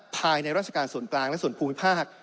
ภายในราชการส่วนกลางและส่วนภูมิภาค